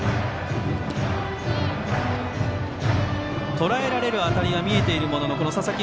とらえられる当たりは見えているものの佐々木